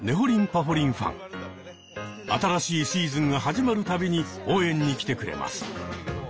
新しいシーズンが始まる度に応援に来てくれます。